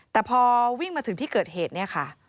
แต่พอวิ่งมาถึงที่เกิดเหตุเนี่ยค่ะ